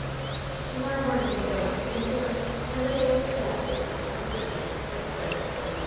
To morrow morning they go on to New York, and the day after that they sail for Liverpool," exclaimed Sophy.